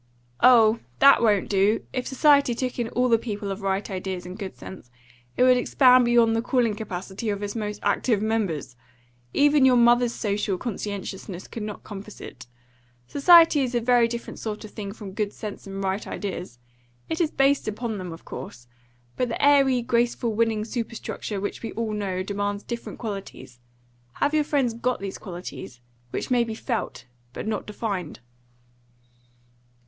"Oh, that won't do. If society took in all the people of right ideas and good sense, it would expand beyond the calling capacity of its most active members. Even your mother's social conscientiousness could not compass it. Society is a very different sort of thing from good sense and right ideas. It is based upon them, of course, but the airy, graceful, winning superstructure which we all know demands different qualities. Have your friends got these qualities, which may be felt, but not defined?"